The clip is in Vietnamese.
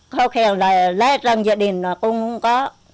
kho khen là lái trong gia đình là cũng không có